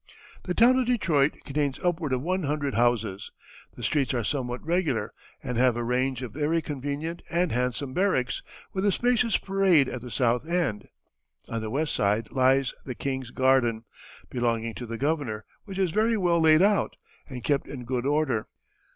"The town of Detroit contains upward of one hundred houses. The streets are somewhat regular, and have a range of very convenient and handsome barracks with a spacious parade at the south end. On the west side lies the King's Garden, belonging to the Governor, which is very well laid out, and kept in good order.